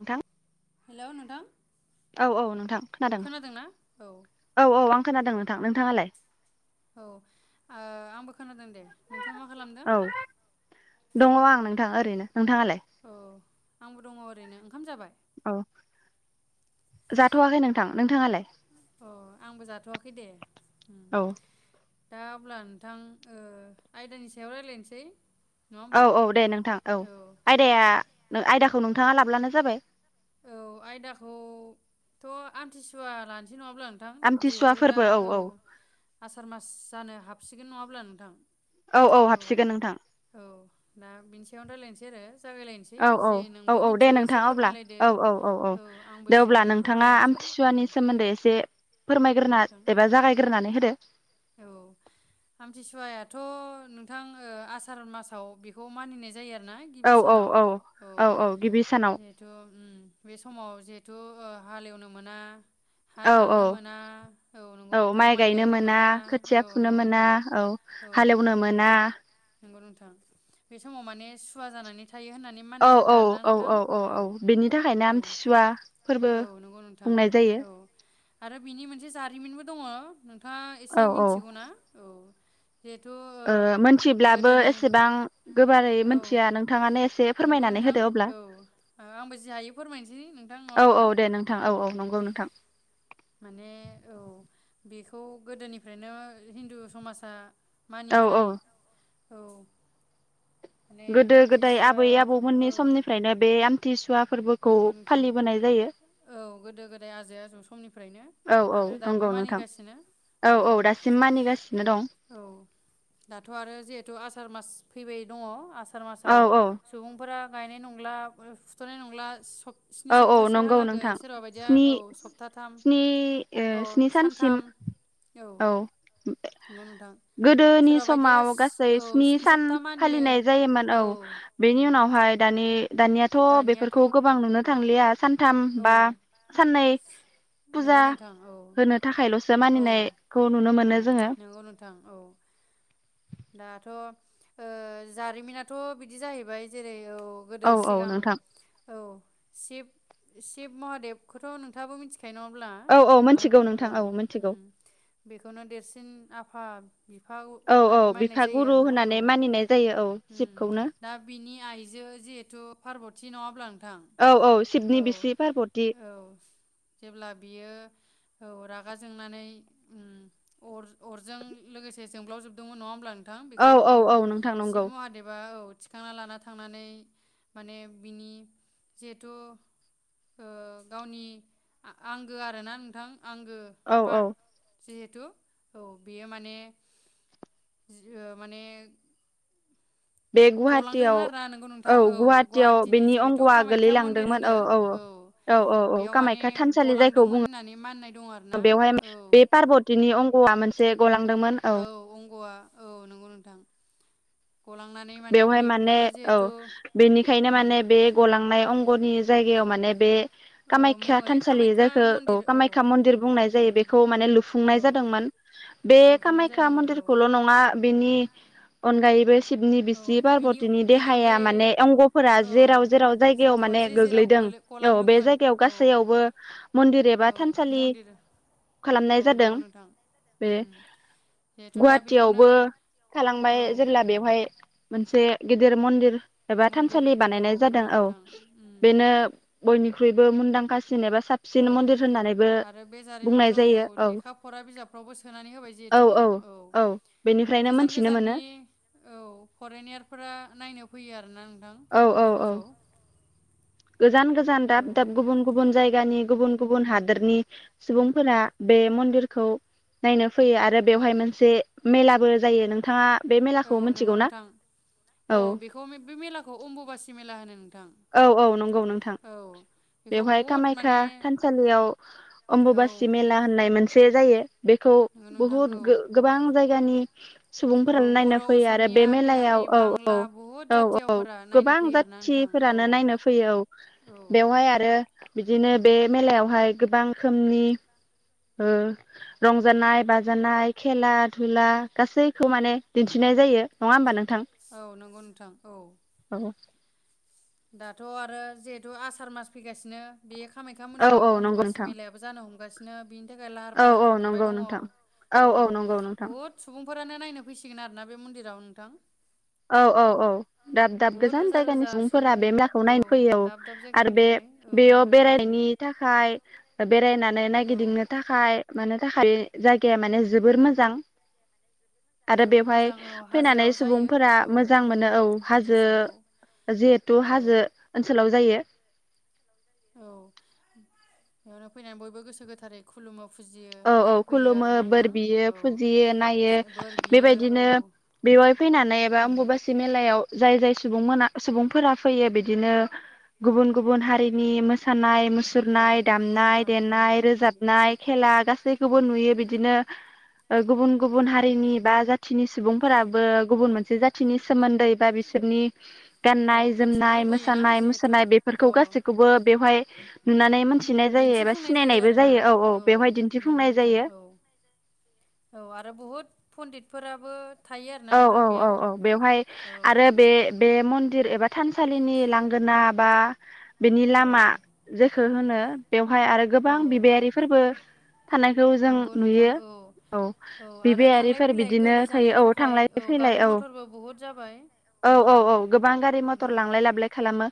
नोंथां हेलौ नोंथां औ औ नोंथां खोनादों औ औ आं खोनादों नोंथां नोंथाङालाय? औ ओ आंबो खोनादों दे। नोंथाङा मा खालामदों? औ दङ आं नोंथां ओरैनो। नोंथाङालाय? औ आंबो दङ ओरैनो ओंखाम जाबाय औ जाथवाखै नोंथां नोंथाङालाय? अ आंबो जाथवाखै दे। उम औ दा अब्ला नोंथां ओ आयदानि सायाव रायलायनोसै। औ औ दे नोंथां औ आयदाया नों आयदाखौ नोंथाङा लाब्लानो जाबाय औ आयदाखौथ आमथिसुवा लानो सै नङा होनल्बा नोंथां जिहेथु दा औ आसार मास जानो हाब सिगोन नङा होनब्ला नोंथां औ औ हाबसिगोन नोंथां। औ दा बिनि सायावनो रायलायनोसै आरो। जागायलायनोसै औ औ जि औ नोंबो औ दे मिथियो एसे नोंथां अब्ला फोरमायलायदो। औ औ औ औ आंबो दे जि अब्ला हायो नोंथाङा फोरमायलायनोसै उम आमथिसुवानि सोमोन्दै एसे नंगौ फोरमायग्रोना नोंथां एबा जागायग्रोनानै होदो। औ आमथिसुवायाथ नोंथां ओ आसार मासाव बेखौ मानिनाय जायो आरो। ना औ गिबि औ सानाव औ जिहेथु ओम बे समाव थु हालेवनो मोना हा औ औ दाननो मोना औ नोंगौ नोंथां माइ गायनो मोना थिया औ फुनो नंगौ मोना नोंथां औ औ हालेवनो मोना नंगौ नोंथां बे समाव माने सुवा जानानै थायो होननानै औ मानिनाय जादों औ आरोना औ नोंथां औ औ औ बेनि थाखायनो औ आमथिसुवा फोरबो औ नंगौ नोंथां बुंनाय जायो। औ आरो बिनि मोनसे जारिमिनबो दङ नोंथाङा औ एसे औ मिथिगौ ना? औ ओ मिथिब्लाबो गोदोनि एसेबां गोबारै औ मोनथिया नोंथाङानो एसे नंगौ फोरमायनानै नोंथां होदो अब्ला औ ओ आंबो जि हायो फोरमायनोसै नोंथां नङा होमबा औ दे औ नोंथां औ दे, नंगौ नोंथां माने औ बेखौ गोदोनिफ्रायनो हिन्दु समाजा औ औ मानिबोनाय औ माने गोदो-गोदाय आमथिसुवा आबै औ आबौमोननि समनिफ्रायनो बे आम थिसुवा नंगौ नोंथां औ गोदो-गोदाय आजै आजौ समनिफ्रायनो औ औ आरो दाबो नंगौ नोंथां मानिगासिनो औ दासिम मानिगासिनो दं औ दाथ' आरो जिहेथु आसार मास फैबाय दङ आस आसार मासाव औ औ सुबुंफोरा गायनाय नंला फुथनाय नंला नंला सब स्नि औ औ नंगौ सप्तासेहालागै सोरबा बायदिया नोंथांनि औ स्नि सप्ताथाम स्नि औ स्नि सानसिम सानथाम औ नंगौ नोंथां गोदोनि सोरबा बायदिया समाव गासै औ स्नि सान सप्ता मानियो फालिनाय जायोमोन औ बेनि उम उनावहाय दानि दानियाथ दानियाथ' बेफोरखौ गोबां नुनो थांलिया सानथाम औ बा साननै फुजा नंगौ नोंथां औ होनो थाखायलसो औ मानिनायखौ नुनो उम मोनो जोङो। नंगौ नोंथां औ दाथ' ओ जारिमिनाथ बिदि जाहैबाय जेरै औ गोदो औ औ सिगां नोंथां औ सिब सिब महादेबखौथ' नोंथाङाबो मिथि खायनो अब्ला औ औ नोंथां मोनथिगौ औ मोनथिगौ उम बेखौनो देरसिन आ फा बिफा हु औ औ होननानै माननाय बिफा जायो गुरु आरो ना औ होननानै मानिनाय जायो औ उम शिबखौनो दा बिनि आइजो जिहेथु पारबत थि नब्लां औ औ शिब बिनि बिसि पारबति। औ जेब्ला बियो औ रागा जोंनानै ओम अर-अरजों लोगोसे जोंब्लाव जोबदोंमोन नङा होमब्ला नो थां बेखौ औ शिब महादेबा औ थिखांना लाना थांनानै माने बिनि जिहेथु। ओ गावनि आंगो आरोना नोंथां। आंगो औ औ पार जिहेथु औ बेयो मान माने बे गलांदोंमोन गुवाहाटियाव आरोना नोंगौ नोंथां औ गुवाहाटियाव गुवाहाटिनि बेनि जिहेथु अंग'आ कामाख्या मन्दिर गोलैलांदोंमोन होनो औ औ औ औ बेयाव माने कामाख्या थानसालि जायखौ गलांदोंमोन बुङो होननानै मानिनाय दं आरोना औ। औवा मोनसे गलांदोंमोन औ। अंग'आ औ नंगौ नोंथां गलांनानै बेवहाय माने बेखौनो औ जिहेथु बेनिखायनो उम माने बे गलांनाय अं गनि जायगायाव माने बे ओ कामाख्या मुङै थानसालि कामाख्या जायखौ औ मन्दिर कामाख्या मन्दिर बुंनाय जायो उम बेखौ माने औ लुफुंनाय जादोंमोन बे लुफुंनाय कामाख्या जादोंमोन औ मन्दिरखौल नङा बेनि अनगायैबो सिबनि औ जि बिनि पार्बतिनि बेनि देहाया अनगायै माने अंगफोरा औ जेराव जेराव जायगायाव जिंग' माने जे जेराव गोग्लैदों गोलो औ बे गलांदोंमोन जायगायाव औ गासैयावबो मन्दिर औ एबा थानसालि मन्दिर औ खालामनाय जादों नंगौ नोंथां बे उम जिहेथु दा बेखौनो गुवाहाटियावबो औ थालांबाय जेब्ला बेवहाय मोनसे गेदिर मन्दिर। एबा मन्दिर थानसालि औ बानायनाय जादों नंगौ औ नोंथां उम बेनो बयनि ख्रुबो मुंदांखासि औ आरो बे बुंनाय जारिमिनखौ औ जायो लेखा फरा बिजाबफ्रावबो सोनानै होबाय जिहेथु औ बेनिफ्रायनो गोजान मोनथिनो मोनो गोजाननि औ फरेनेयार फोरा नायनो फैयो आरोना। थां औ बे औ औ मन्दिरफोरखौ। गोजान गोजान औ दाब दाब गुबुन गुबुन जायगानि गुबुन गुबुन हादरनि सुबुंफोरा बे मन्दिरखौ नायनो फैयो आरो बेवहाय मोनसे मेलाबो जायो नोंथाङा बे औ मेलाखौ नंगौ मिथिगौ ना? नोंथां औ बेखौ बे मेलाखौ अम्बुबासि मेला होनो नोंथां। औ औ नंगौ नोंथां औ बेखौ बेवहाय बहुद कामाख्या माने थानसालियाव औ अमबुबासि मेला होननाय मोनसे जायो। बेखौ नंगौ नोंथां बहुद औ गों गोबां जायगानि औ सुबुंफोर नायनो बर' फैयो आरो बे असमिया बिहारि मेलायाव औ औ बांला बहुद औ औ जाथियावफोरा नायनो गोबां फैयो आरोना जाथि नोंथां औ फ्रानो नायनो फैयो औ बेयावहाय आरो बिदिनो बे मेलायावहाय गोबां रोखोमनि ओ रंजानाय बाजानाय खेला धुला गासैखौ माने दिन्थिनाय जायो नङा होमबा नों औ नंगौ नोंथां औ। औ दाथ आरो जिहेथु आसार मास फैगासिनो। बे कामाख्या औ औ मन्दिराव नंगौ अम्बुबासि नोंथां मेलायाबो जानो हमगासिनो बिनि थाखाय लाहार औ फाहार औ खालामबाय नंगौ दङ नोंथां औ औ नंगौ नोंथां बहुद सुबुं फोरानो नायनो फैसिगोन आरोना बे मन्दिराव नोंथां औ औ औ दाब दाब बहुद गोजान रोजा जायगानि रोजा सुबुं फोरा बे मेलाखौ नायनो फैयो औ दाब दाब आरो बे जायगानिफ्राय औ बेयाव नायनो फैयो बेरायनायनि थाखाय बेरायना नाय औ नायगिदिंनो थाखाय मानो थाखाय बे जायगाया माने जोबोर मोजां। आरो जोबोद बेवहाय मोजां औ फैनानै हाजोआव सुबुं जायो फोरा औ मोजां मोनो औ हाजो जिहेथु औ हाजो ओनसोलाव जायो। औ इयावनो फैनाय बयबो गोसो गोथारै खुलुमो फुजियो औ औ नायफैयो खुलुमो आरोना बोर नोंथां बियो औ फुजियो नायो बोर बियो बेबायदिनो औ बेवाय फैनानै एबा बेवहाय आम्बुबासि मेलायाव जाय जाय सुबुं मोना सुबुंफोरा फैयो बिदिनो गुबुन गुबुन फैयो हारिनि मोसानाय औ मुसुरनाय नंगौ दामनाय नोंथां औ देनाय रोजाबनाय खेला गासैखौबो नुयो बिदिनो गुबुन गुबुन हारिनि बा जाथिनि सुबुंफोराबो गुबुन मोनसे जाथिनि सोमोन्दै बा बिसोरनि गाननाय औ मिथिनो जोमनाय लुबैयो ना मोसानाय जिहेथु मुसुरनाय बेफोरखौ अ गासैखौबो बेवहाय नुनानै मानसि थिनाय जायो एबा सिनायनायबो जायो औ औ बेबायदिनो नोंगौ नोंथां औ औ आरो बहुद पन्डितफोराबो थायो आरोना औ नोंथां औ औ बेयाव औ बेवहाय आरो औ बे बे मन दिर एबा थानसालिनि लांगोना बा बेनि लामा औ जेखो होनो बेवहाय आरो गोबां औ बिबायारि फोरबो थानायखौ जों नंगौ नोंथां नुयो औ औ आरो थांलाय बिबायारिफोर फैलाय बिदिनो गोरलै जानो थायो औ थाखाय थांलाय फैलाय गारि औ मथरबो बहुद जाबाय औ उम औ औ गोबां गारि मथर नंगौ लांलाय नोंथां लाबोलाय खालामो।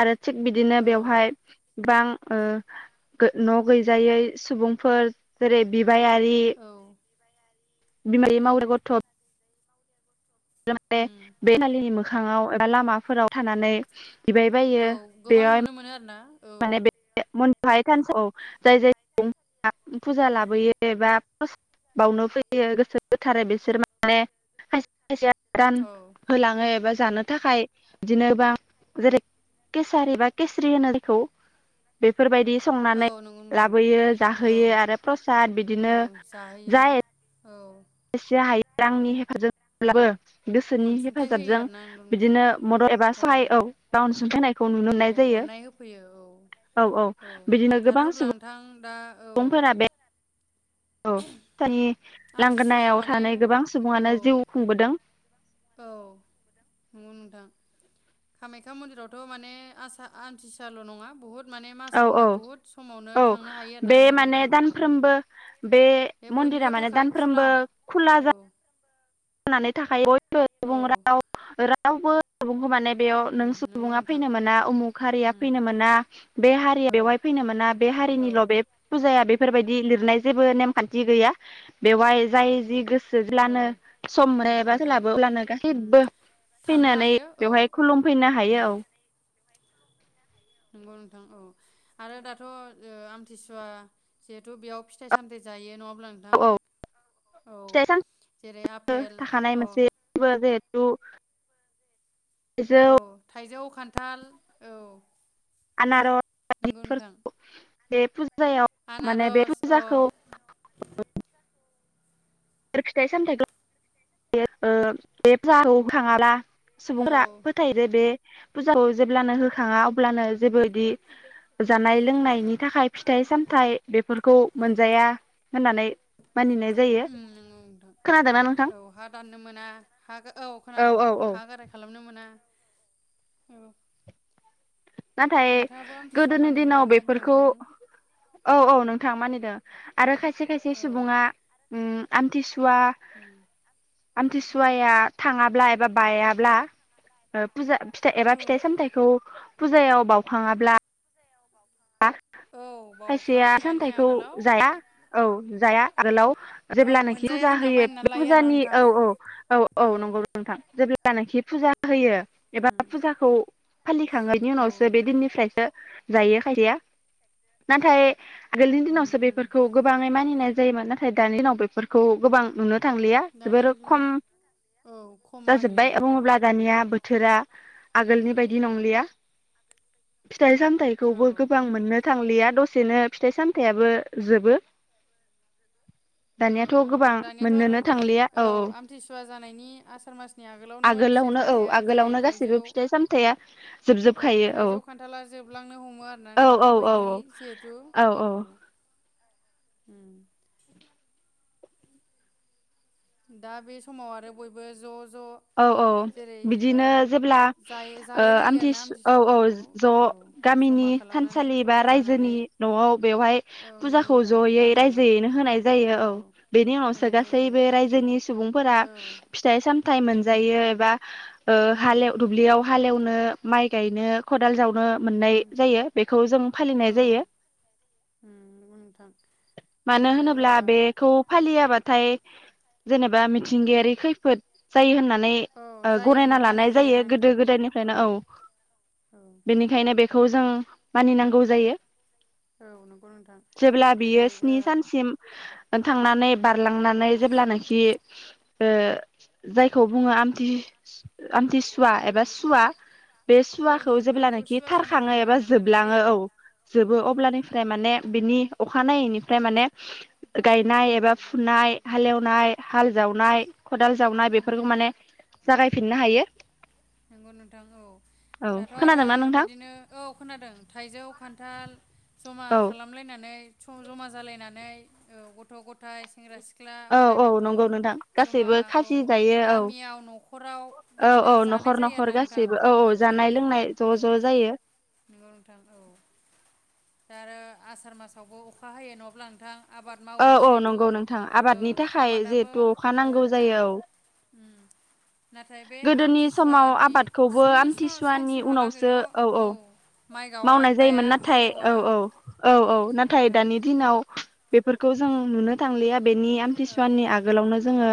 आरो थिग बिदिनो औ बेवहाय गोबां ओ न' गैजायै सुबुंफोर जेरै बिब बायारि औ बिमा गैयै मावरिया गथ' उम [unintelligible] मोखाङाव एबा लामाफोराव थानानै बिबाय बायो औ गोबां बेयाव नुनो मोनो आरो ना माने बे [unintelligible] फुजा लाबोयो एबा [unintelligible] बावनो फैयो गोसो गोथारै बिसोर माने खायसे खायसेया रान औ होलाङो एबा जानो थाखाय बिदिनोबा जेरै- केसारि बा केसरि होनो जायखौ बेफोरबायदि औ संनानै नंगौ नोंथां लाबोयो औ जाहोयो आरो प्रसाद औ बिदिनो जाहोयो जाय औ एसे हायोबा आंनि आंनि हेफाजाब [unintelligible] गोसोनि अनसुंथाइ होयो हेफाजाबजों आरोना नंगौ नोंथां बिदिनो मदद एबा सहाय औ गाव अनसुंथाय होनायखौ नुनो औ मोननाय जायो अननाय होफैयो औ औ औ बिदिनो दाथ' गोबां अब्ला सुबुं नोंथां दा औ सुबुंफोरा बे औ [unintelligible] आमथिसुवायाव लांगोनायाव माने थानाय गोबां औ सुबुङानो जिउ खुंबोदों। औ नंगौ नोंथां कामाख्या मन्दिरावथ' माने आसा आमथिसुआल' नङा बुहुत माने औ मासावनो औ बुहुद समावनो औ थांनो हायो होनना बे नंगौ माने नोंथां ओम दानफ्रोमबो बे मन्दिरा बयनिबो माने थाखाय खुला औ नानै थाखायो बय औ बो [unintelligible] रावबो सुबुंखौ माने बेयाव नों उम नंगौ सुबुङा नोंथां फैनो मोना उमुख हारिया उम फैनो मोना बे हारिया औ बेवहाय फैनो मोना बे औ हारिनिल' बे फुजाया बे बेफोरबायदि लिरनाय जेबो नेमखान्थि गैया बेवहाय जाय जि गोसो औ जोज्लानो सम मोनो नंगौ एबा नोंथां सोलाबो अब्लानो उम गासैबो थांनो फैनानै हायो औ बेवहाय खुलुमफैनो उम हायो औ नंगौ नोंथां औ आरो दाथ' ओ आमथिसुवा जिहेथु बेयाव फिथाइ सामथाइ जायो नङा अब्ला औ नोंथां औ फिथाइ सामथाइ जेरै आपेल थाखानाय औ मोनसे [unintelligible] औ थाइजौ थाइजौ खान्थाल औ आनार नोंगौ नोंथां। बे फु जायाव माने बे आनारस अ फुजाखौ [unintelligible] [inaudible] औ सुबुंफ्रा फोथायोदि बे। फुजाखौ जेब्लानो होखाङा अब्लानो जेबो इदि जानाय लोंनायनि थाखाय फिथाइ सामथाइ बेफोरखौ मोनजाया। होननानै मानिनाय जायो उम नंगौ नोंथां खोनादोंना नोंथां? औ हा दाननो मोना हा औ खोनादों औ औ हा गाराय खालामनो मोना। [inaudible] औ नाथाय नोंथाङाबो आमथिसुवा गोदोनि मानिफेरबाय दिनाव नङा होमब्ला बेफोरखौ नोंथां औ औ नोंथां मानि। [unintelligible] आरो खायसे खायसे औ सुबुङा ओम आमथिसुआ। सुवा आम उम आमथिसुवाया थाङाब्ला एबा बायाब्ला फुजा फिथाय एबा औ फिथाइ सामथाइखौ। फुजायाव बावखाङाब्ला। औ खायसेया बावखाङियानि सामथाइखौ आगोलाव जाया औ जाया। आगोलाव। औ जेब्लानोखि मोनजाया फुजा होनना होयो मानिनानै बे लायो आरोना फुजानि नोंथां औ औ औ औ नंगौ नोंथां जेब्ला। जेब्लानाखि फुजा होयो। एबा उम फुजाखौ। फालिखांनायनि औ उनावसो बे दिननिफ्रायसो। जायो। खायसेआ नाथाय। आगोलनि उम दिनावसो उम बेफोरखौ गोबाङै मानिनाय। जायोमोन नाथाय दानि दिनाव बेफोरखौ गोबां नुनो। थांलिया दानि जोबोर दिनाव खम औ खम जाजोब्बा मानियो बुङोब्ला उम दानिया बोथोरा। आगोलनि बायदि नंलिया। फिथाय सामथायखौबो। औ गोबां मोननो। थांलिया दसेनो फिथाइ सामथायाबो जोबो। औ दानियाथ' नंगौ गोबां नोंथां दानियाथ आरो मोननोनो थांलिया औ आमथि सुवा जानायनि आसार मासनि आगोलावनो फिथाइ औ सामथाइया जेरै आगोलावनो थाइजौ गासैबो फिथाइ सामथाइया औ जोबजोबखायो थाइजौ औ खान्थाला जोबलांनो हमो। औ नोंथां औ औ बैग्रि जिहेथु औ। उम दा बे समाव आरो बयबो ज। ज' औ औ जेरै ओ बिदिनो जेब्ला जायो जालाय लायो आरोना आमथिसु औ औ आमथिसुवाखौ ज औ जमा गामिनि खालामनानै थानसालि बा थुबुर जानानै रायजोनि नआव बेवहाय औ नंगौ फुजाखौ नोंथां जयै गामियाव रायजोयैनो होनाय जायो औ बेनि उनावसो होनाय जायो गासैबो रायजोनि। सुबुंफोरा औ फिथाइ साम मोनजायो एबा ओ औ हालेव दुब्लियाव हालेवनो माइ गायनो ख दाल जावनो नंगौ मोननाय नोंथां जायो बेखौ जों फालिनाय औ जायो उम नंगौ नोंथां मानो माने होनोब्ला ओ बेखौ फालिया बाथाय जेनेबा मिथिंगायारि खैफोद जायो होनना [unintelligible] औ ओ जायो होनना गनायना मानिनाय लानाय जायो आरोना गोदो नोंथां गोदायनिफ्रायनो औ औ बेनिखायनो बे खौ जों मानिनांगौ जायो। औ नंगौ नोंथां जेब्ला बियो जेरै ओ स्नि सानसिम थांनानै बारलांनानै जेब्लानाखि ओ जायखौ बुङो आमथि आमथिसुवा एबा सुवा। बे औ नंगौ सुवाखौ नोंथां बेखौ जेब्लानोखि सुवा जानाय थारखाङो होनना एबा मानिनानै लानाय जायो जोबलाङो औ आरोना औ जोबो अब्लानिफ्राय माने बिनि अखानायैनिफ्राय माने गायनाय एबा फुनाय हालेवनाय हाल जावनाय खदाल जावनाय बेफोरखौ उम माने जागायफिननो हायो। नंगौ नोंथां औ औ दाथ आरो खोनादोंना नोंथां बिदिनो औ खोनादों थाइजौ खान्थाल जमा औ खालामलायनानै स जमा जालायनानै ओ गथ' गथाय सेंग्रा सि ख्ला औ बोराइ औ बेन्थ नंगौ नोंथां जमा गासैबो औ खासि जायो औ गामियाव नखराव बिदिनो र जायो नखर आरोना नोंथां गासैबो औ औ जानाय लोंनाय ज औ ज जायो। नंगौ नोंथां औ दा आरो आसार मासावबो अखा हायो नङा ब्ला नोंथां आबाद औ मावो औ जिहेथु नंगौ नोंथां औ आबादनि थाखाय आबादाबो जिहेथु अखा औ नांगौ जायो औ। उम नाथाय बे आम गोदोनि समाव आबादखौबो आमथिसुवानि उनावसो औ औ माइ गावा मावनाय जायोमोन गाया नाथाय हालेवा औ औ औ औ नंगौ नाथाय नोंथां दानि दिनाव बेफोरखौ जों नुनो थांलिया बेनि औ आमथिसुवानि आगोलावनो जोङो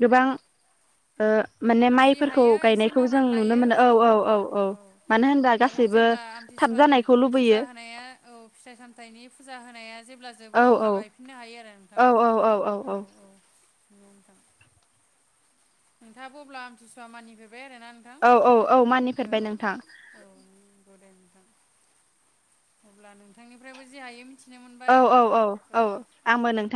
गोबां ओ माने जि माइफोरखौ हायो एसे गायनायखौ जों मावनानै नुनो लायो मोनो औ नंगौ नोंथां औ मानो होनबा आरो गासैबो जेब्ला थाब आमथिसुवानि जानायखौ फुजा लुबैयो होनाया औ फिथाइ सामथाइनि फुजा होनाया जेब्ला जोबो औ औ अब्ला गायफिननो हायो आरो नोंथां औ औ। नंगौ नोंथां। नोंथाङाबो अब्ला आमथिसुवा मानिफेर औ औ औ मानिफेरबाय नोंथां औ नंगौ दे नोंथां अब्ला नोंथांनिफ्रायबो जे हायोम औ औ औ औ आंबो नोंथां